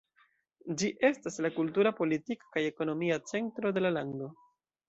Ĝi estas la kultura, politika kaj ekonomia centro de la lando.